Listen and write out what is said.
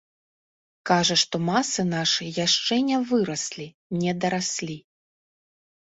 Кажа, што масы нашы яшчэ не выраслі, не дараслі.